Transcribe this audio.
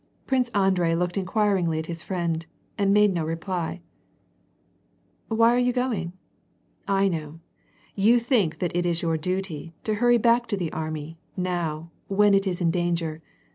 Prince Andrei looked inquiringly at his friend, and made no reply. " Why are you going ?— I know ; you think that it is your fluty to hurry back to the army,'now, when it is in danger.